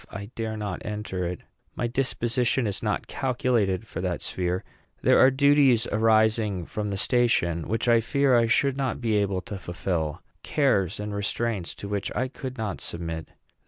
I dare not enter it. My disposition is not calculated for that sphere. There are duties arising from the station which I fear I should not be able to fulfil, cares and restraints to which I could not submit.